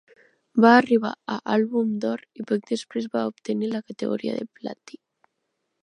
Va arribar a àlbum d'or i poc després va obtenir la categoria de platí.